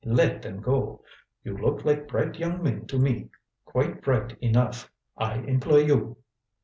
Let them go. You look like bright young men to me quite bright enough. I employ you."